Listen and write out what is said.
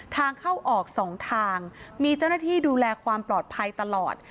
ทางเข้าออกสองทางมีเจ้าหน้าที่ดูแลความปลอดภัยตลอด